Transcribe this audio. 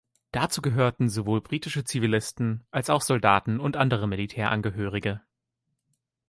Dazu gehörten sowohl britische Zivilisten als auch Soldaten und andere Militärangehörige.